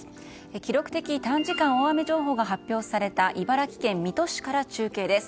記録的短時間大雨情報が発表された茨城県水戸市から中継です。